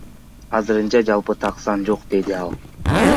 Азырынча жалпы так сан жок, — деди ал.